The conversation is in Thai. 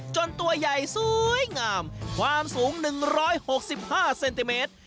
ตัวใหญ่สวยงามความสูง๑๖๕เซนติเมตร